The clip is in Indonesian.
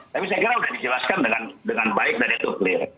tapi saya kira sudah dijelaskan dengan baik dari duplik